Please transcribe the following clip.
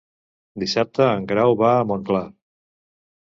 Dissabte en Grau va a Montclar.